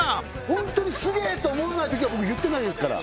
ホントにすげえ！と思わない時は僕言ってないですから